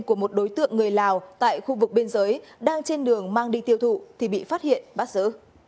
của một đối tượng người lào tại khu vực biên giới đang trên đường mang đi tiêu thụ thì bị phát hiện bắt giữ